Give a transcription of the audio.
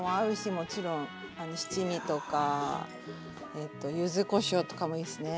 もちろんあの七味とかえっとゆずこしょうとかもいいっすね。